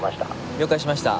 了解しました。